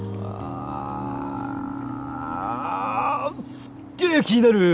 あすっげえ気になる！